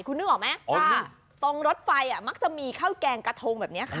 คุณนึกออกไหมตรงรถไฟมักจะมีข้าวแกงกระทงแบบนี้ค่ะ